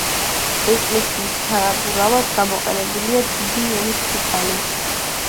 ეკლესიის საბურავად გამოყენებულია დიდი ზომის ფიქალი.